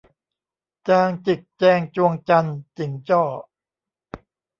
จางจิกแจงจวงจันน์ จิ่งจ้อ